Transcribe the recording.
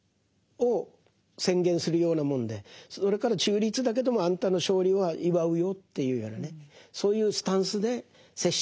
それから中立だけどもあんたの勝利は祝うよっていうようなねそういうスタンスで接していきましょう。